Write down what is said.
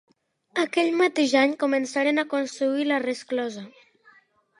Aquell mateix any començaren a construir la resclosa.